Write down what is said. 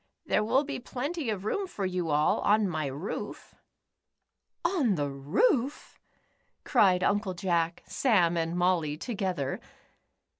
There will be plenty of room for you all on my roof." "On the roof?" cried Uncle Jack, Sam, and Molly together.